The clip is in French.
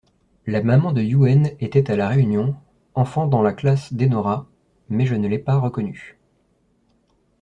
La maman de Youenn était à la réunion, enfant dans la classe d’Enora, mais je ne l’ai pas reconnue.